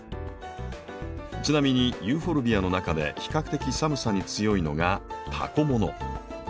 ちなみにユーフォルビアの中で比較的寒さに強いのがタコ物。